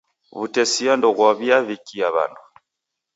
W'utesia ndoghwaw'iavikia w'andu.